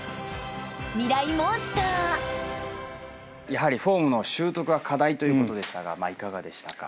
やはりフォームの習得が課題ということでしたがいかがでしたか？